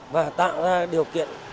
và tạo ra điều kiện